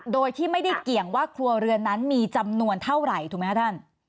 โดยที่ไม่ได้เกี่ยงว่าครัวเรือนนั้นมีจำนวนเท่าไหร่ถูกไหมครับท่าน